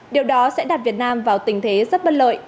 điều đó sẽ đặt việt nam vào tình thế rất bất lợi